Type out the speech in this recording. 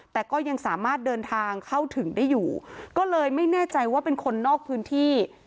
แต่ก็ยังสามารถเดินทางเข้าถึงได้อยู่ก็เลยไม่แน่ใจว่าเป็นคนนอกพื้นที่